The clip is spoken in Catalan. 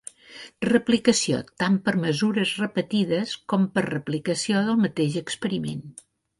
Replicació tant per mesures repetides com per replicació del mateix experiment.